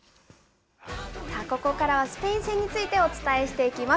ここからはスペイン戦についてお伝えしていきます。